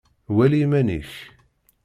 Wali iman-ik.